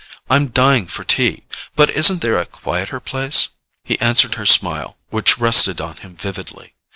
"I'm dying for tea—but isn't there a quieter place?" He answered her smile, which rested on him vividly.